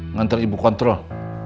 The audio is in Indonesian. ngantar ibu kontrol